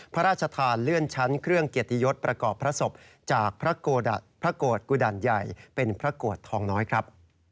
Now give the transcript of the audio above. พระราชทานเลื่อนชั้นเครื่องเกียรติยศประกอบพระศพจากพระโกรธกุดันใหญ่เป็นพระโกรธทองน้อยครับ